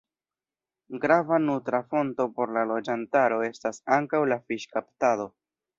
Grava nutra fonto por la loĝantaro estas ankaŭ la fiŝkaptado.